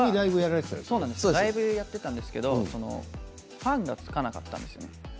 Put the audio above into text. ライブはやっていたんですがファンがつかなかったんですよ。